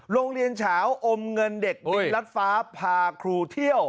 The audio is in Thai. โรงเรียนเฉาอมเงินเด็กบินรัดฟ้าพาครูเที่ยว